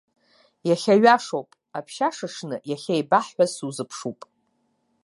Иахьа ҩашоуп, аԥшьашаҽны иахьеибаҳҳәаз сузыԥшуп.